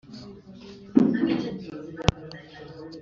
umukono mu buryo bwo kwishyurana ingurane